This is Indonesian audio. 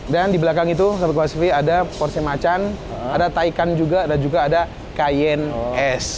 dan di belakang itu sama kuasivi ada porsche macan ada taycan juga ada juga cayenne s